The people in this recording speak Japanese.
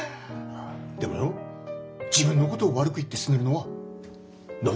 でもよ自分のことを悪く言ってすねるのは暢子らしくない。